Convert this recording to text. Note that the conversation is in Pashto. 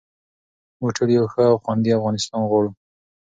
موږ ټول یو ښه او خوندي افغانستان غواړو.